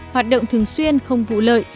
hoạt động thường xuyên không vụ lợi